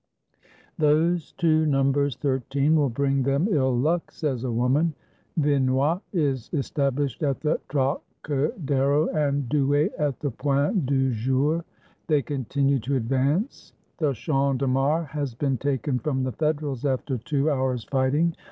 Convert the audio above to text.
"Those two numbers 13 will bring them ill luck," says a woman. Vinoy is established at the Tro cadero, and Douai at the Point du Jour: they continue to advance. The Champ de Mars has been taken from the Federals after two hours' fighting.